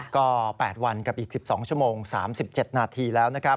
ก็๘วันกับอีก๑๒ชั่วโมง๓๗นาทีแล้วนะครับ